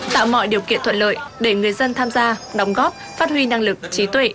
tạo mọi điều kiện thuận lợi để người dân tham gia đóng góp phát huy năng lực trí tuệ